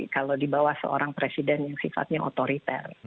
kalau dibawah seorang presiden yang sifatnya otoriter